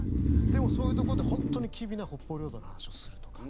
でもそういうところで本当に機微な北方領土の話をするとか。